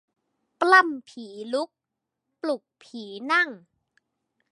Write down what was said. ปล้ำผีลุก ปลุกผีนั่ง